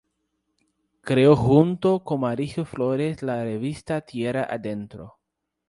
Creó junto con Mauricio Flores la revista Tierra adentro.